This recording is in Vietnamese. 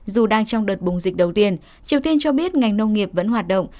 dù đang trong đợt bùng dịch đầu tiên triều tiên cho biết ngành nông nghiệp vẫn hoạt động